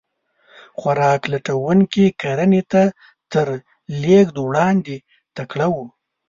خوراک لټونکي کرنې ته تر لېږد وړاندې تکړه وو.